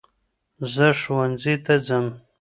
زه ښوونځی ته ځم.